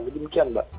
jadi demikian mbak